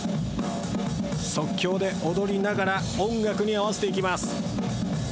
即興で踊りながら音楽に合わせていきます。